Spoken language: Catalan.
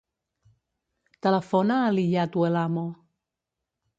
Telefona a l'Iyad Huelamo.